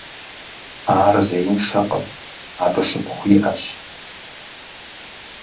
Ар зеиншэкъым, абы шыпхъу иӀэщ.